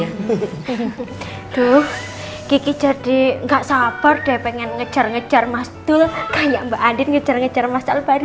aduh kiki jadi gak sabar deh pengen ngejar ngejar mas dul kayak mbak adin ngejar ngejar mas albarin